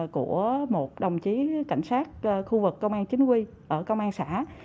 của một đồng chí cảnh sát khu vực công an chính quy ở công an xã